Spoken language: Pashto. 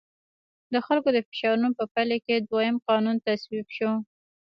د خلکو د فشارونو په پایله کې دویم قانون تصویب شو.